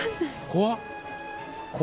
怖っ！